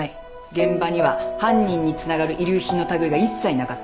現場には犯人につながる遺留品のたぐいが一切なかった。